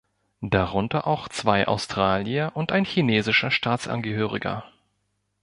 Darunter auch zwei Australier und ein chinesischer Staatsangehöriger.